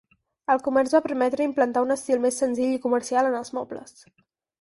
El comerç va permetre implantar un estil més senzill i comercial en els mobles.